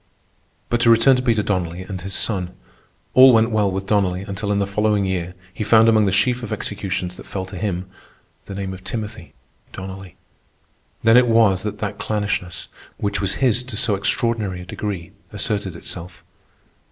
But to return to Peter Donnelly and his son. All went well with Donnelly until, in the following year, he found among the sheaf of executions that fell to him the name of Timothy Donnelly. Then it was that that clannishness, which was his to so extraordinary a degree, asserted itself.